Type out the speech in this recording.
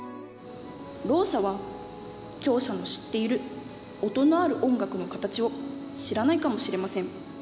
ろう者は聴者の知っている音のある音楽の形を知らないかもしれません。